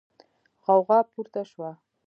غوغا پورته شوه.